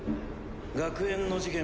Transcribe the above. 学園の事件